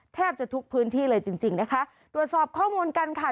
แทบจะทุกพื้นที่เลยจริงจริงนะคะตรวจสอบข้อมูลกันค่ะ